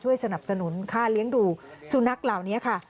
สนับสนุนค่าเลี้ยงดูสุนัขเหล่านี้ค่ะ